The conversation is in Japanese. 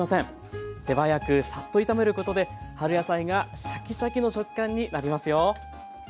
手早くサッと炒めることで春野菜がシャキシャキの食感になりますよ。